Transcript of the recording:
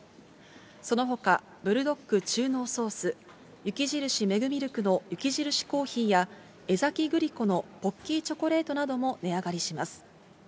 そのほか、ブルドック中濃ソース、雪印メグミルクの雪印コーヒーや江崎グリコのポッキーチョコレートなども値上がりします。